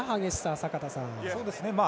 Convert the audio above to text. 坂田さん。